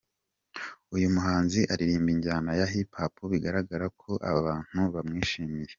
Uyu muhanzi aririmba injyana ya Hip-Hop, biragaragara ko abantu bamwishimiye.